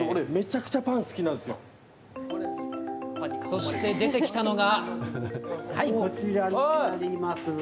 そして、出てきたのが。